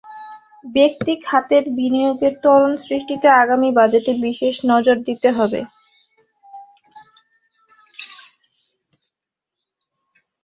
ব্যক্তি খাতের বিনিয়োগের ত্বরণ সৃষ্টিতে আগামী বাজেটে বিশেষ নজর দিতে হবে।